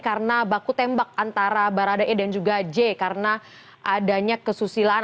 karena baku tembak antara barada e dan juga j karena adanya kesusilaan